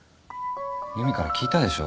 由美から聞いたでしょ？